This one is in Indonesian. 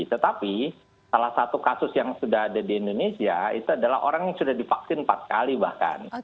tetapi salah satu kasus yang sudah ada di indonesia itu adalah orang yang sudah divaksin empat kali bahkan